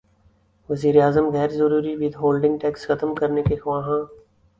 وزیراعظم غیر ضروری ود ہولڈنگ ٹیکس ختم کرنے کے خواہاں